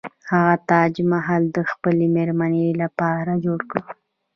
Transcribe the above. هغه تاج محل د خپلې میرمنې لپاره جوړ کړ.